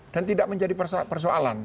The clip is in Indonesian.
dan tidak menjadi persoalan